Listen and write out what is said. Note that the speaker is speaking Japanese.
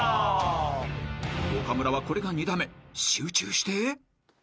［岡村はこれが２打目集中して］